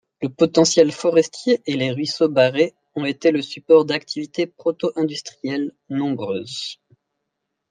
Le potentiel forestier et les ruisseaux barrés ont été le support d'activités proto-industrielles nombreuses.